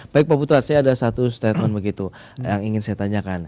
baik pak putra saya ada satu statement begitu yang ingin saya tanyakan